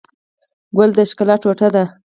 ګل د ښکلا ټوټه ده.